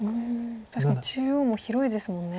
確かに中央も広いですもんね。